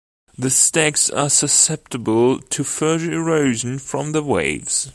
The stacks are susceptible to further erosion from the waves.